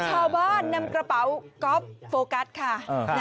ชาวบ้านนำกระเป๋ากรอฟโฟกัสค่ะ